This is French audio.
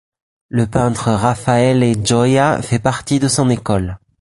Le peintre Raffaele Gioia fait partie de son école.